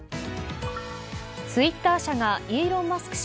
ツイッター社がイーロン・マスク